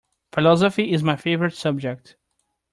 Philosophy is my favorite subject.